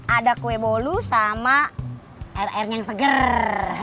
ada kue bolu sama air airnya yang seger